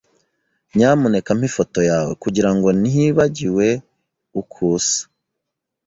Nyamuneka mpa ifoto yawe kugirango ntibagiwe uko usa.